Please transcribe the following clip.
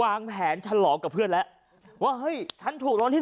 วางแผนฉลองกับเพื่อนแล้วว่าเฮ้ยฉันถูกรางวัลที่๑